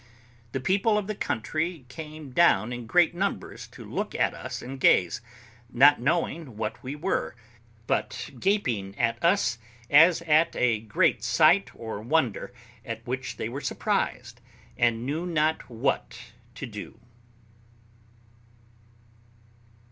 The people of the country came down in great numbers to look at us and gaze, not knowing what we were, but gaping at us as at a great sight or wonder at which they were surprised, and knew not what to do.